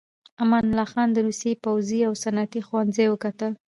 امان الله خان د روسيې پوځي او صنعتي ښوونځي وکتل.